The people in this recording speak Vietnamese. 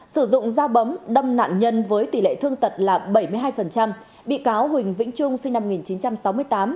sử dụng dao bấm đâm nạn nhân với tỷ lệ thương tật là bảy mươi hai bị cáo huỳnh vĩnh trung sinh năm một nghìn chín trăm sáu mươi tám